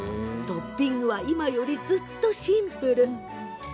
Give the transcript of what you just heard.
トッピングは今よりずっとシンプル。